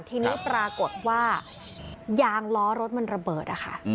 ทีนี้ปรากฏว่ายางล้อรถมันระเบิดนะคะ